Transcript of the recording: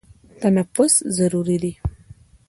تنفس ضروري دی.